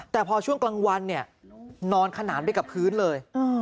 แต่พอช่วงกลางวันเนี่ยนอนขนานไปกับพื้นเลย